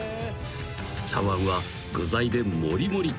［茶わんは具材でもりもり］